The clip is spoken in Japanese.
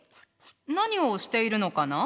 何をしているのかな？